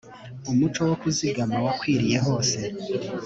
umuco wo kuzigama wakwiriye hose